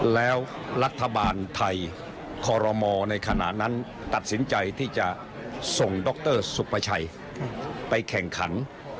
แล้วรัฐบาลไทยคอรมอในขณะนั้นตัดสินใจที่จะส่งดรสุภาชัยไปแข่งขัน